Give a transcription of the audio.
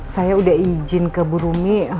saya udah izin ke burumi